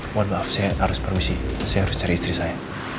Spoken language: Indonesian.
mohon maaf saya harus permisi saya harus cari istri saya